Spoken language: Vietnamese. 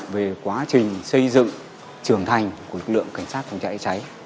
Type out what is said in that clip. về quá trình xây dựng trưởng thành của lực lượng cảnh sát phòng cháy cháy